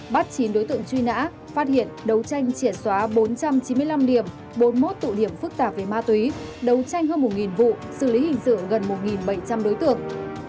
bắt chín đối tượng truy nã phát hiện đấu tranh triệt xóa bốn trăm chín mươi năm điểm bốn mươi một tụ điểm phức tạp về ma túy đấu tranh hơn một vụ xử lý hình sự gần một bảy trăm linh đối tượng